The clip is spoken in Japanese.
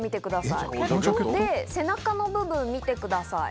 背中の部分見てください。